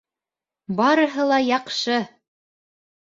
Барыһы ла яҡшы!